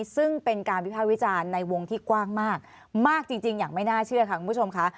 ซึ่งเป็นการวิภาควิจารณ์ในวงที่กว้างมากมากจริงอย่างไม่น่าเชื่อค่ะคุณผู้ชมค่ะ